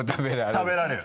食べられる。